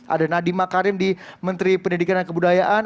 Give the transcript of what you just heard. ada nadiem makarim di menteri pendidikan dan kebudayaan